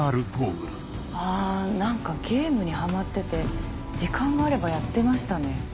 あぁ何かゲームにハマってて時間があればやってましたね。